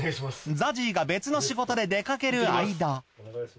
ＺＡＺＹが別の仕事で出かける間。